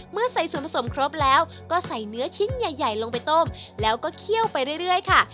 เมื่อใส่ส่วนผสมครบแล้วก็ใส่เนื้อชิ้นใหญ่ลงไปต้มแล้วก็เคี่ยวไปเรื่อยค่ะ